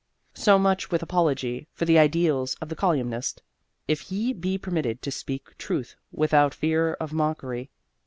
So much, with apology, for the ideals of the colyumist, if he be permitted to speak truth without fear of mockery.